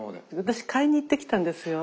私買いに行ってきたんですよ。